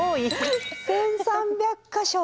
１，３００か所。